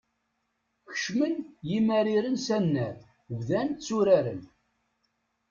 Kecmen yimariren s anrar, bdan tturaren.